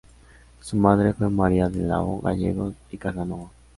Su madre fue María de la O Gallegos y Casanova.